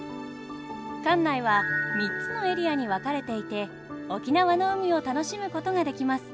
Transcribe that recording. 館内は３つのエリアに分かれていて沖縄の海を楽しむことができます。